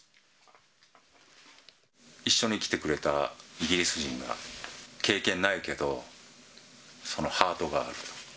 一緒に来てくれたイギリス人が、経験ないけど、ハートがあると。